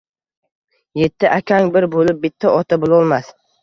Etti akang bir bulib bitta ota bulolmas